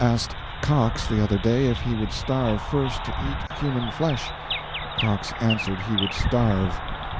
asked Cox the other day if he would starve first or eat human flesh. Cox answered he would starve....